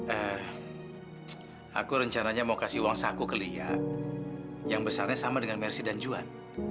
eh aku rencananya mau kasih uang saku kalian yang besarnya sama dengan mercy dan juan